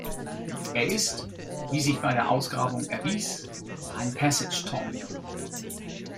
Er ist, wie sich bei der Ausgrabung erwies, ein Passage tomb.